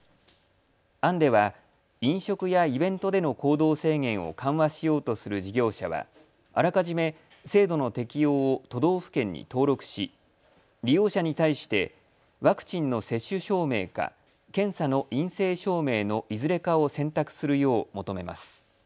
案では、飲食やイベントでの行動制限を緩和しようとする事業者はあらかじめ制度の適用を都道府県に登録し利用者に対してワクチンの接種証明か検査の陰性証明のいずれかを選択するよう求めます。